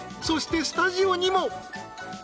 ［そしてスタジオにも］